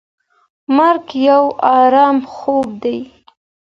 مرګ یو ارام خوب دی.